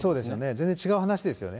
全然違う話ですよね。